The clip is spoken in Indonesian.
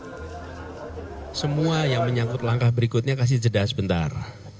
jadi semua yang menyatakan langkah berikutnya kasih jeda sebentar